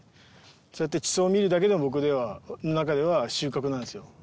そうやって地層を見るだけでも僕の中では収穫なんですよ。